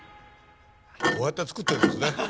こうやって作ってるんですね。